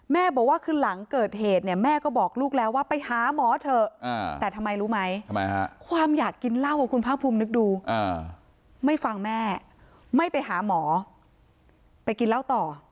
แม่บอกว่าคือหลังเกิดเหตุเนี่ยแม่ก็บอกลูกแล้วว่าไปหาหมอเถอะแต่ทำไมรู้ไหมความอยากกินเหล้าคุณภาคภูมินึกดูไม่ฟังแม่ไม่ไปหาหมอไปกินเหล้าต่อ